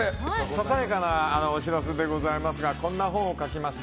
ささやかなお知らせですがこんな本を書きました。